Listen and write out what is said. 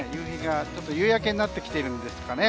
夕焼けになっているんですかね。